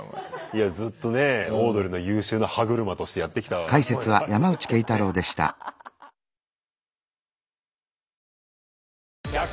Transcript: いやずっとねオードリーの優秀な歯車としてやってきた思いはありますけどね。